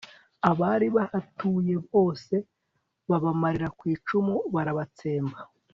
abari bahatuye bose babamarira ku icumu barabatsemba